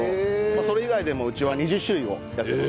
それ以外でもうちは２０種類をやっています。